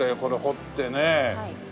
これ掘ってね。